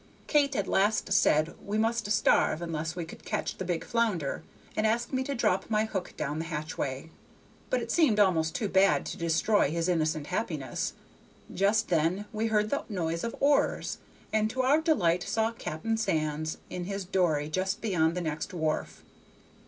Kate at last said we must starve unless we could catch the big flounder, and asked me to drop my hook down the hatchway; but it seemed almost too bad to destroy his innocent happiness. Just then we heard the noise of oars, and to our delight saw Cap'n Sands in his dory just beyond the next wharf.